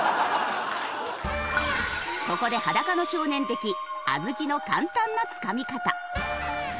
ここで『裸の少年』的小豆の簡単なつかみ方。